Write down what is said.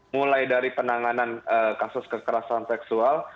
mulai dari penanganan kasus kekerasan seksual